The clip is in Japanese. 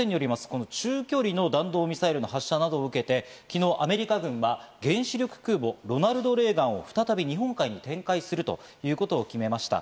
この中距離の弾道ミサイルの発射などを受けて、昨日、アメリカ軍は原子力空母ロナルド・レーガンを再び日本海に展開するということを決めました。